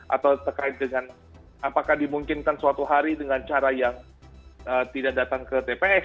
atau terkait dengan apakah dimungkinkan suatu hari dengan cara yang tidak datang ke tps